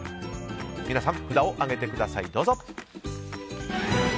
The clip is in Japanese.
皆さん、札を上げてください。